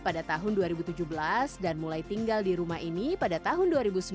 pada tahun dua ribu tujuh belas dan mulai tinggal di rumah ini pada tahun dua ribu sembilan